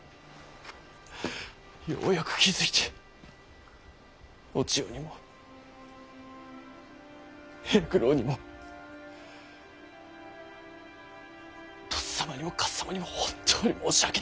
ようやく気付いてお千代にも平九郎にもとっさまにもかっさまにも本当に申し訳ねぇ。